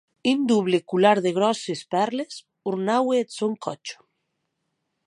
Un doble colar de gròsses pèrles ornaue eth sòn còth.